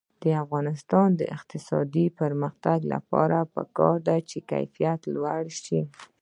د افغانستان د اقتصادي پرمختګ لپاره پکار ده چې کیفیت لوړ شي.